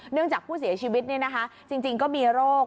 จากผู้เสียชีวิตจริงก็มีโรค